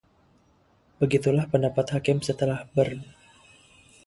begitulah pendapat hakim setelah mendengar keberatan-keberatan yang dikemukakan oleh pembela